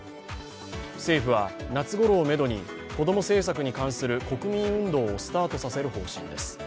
政府は夏ごろをめどに子ども政策に関する国民運動をスタートさせる方針です。